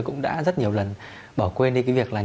cũng đã rất nhiều lần bỏ quên đi cái việc là